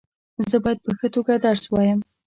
زه باید په ښه توګه درس وایم.